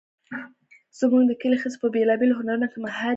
زموږ د کلي ښځې په بیلابیلو هنرونو کې ماهرې دي